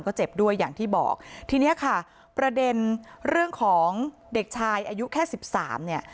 ก็เจ็บด้วยอย่างที่บอกทีเนี้ยค่ะประเด็นเรื่องของเด็กชายอายุแค่สิบสามเนี่ย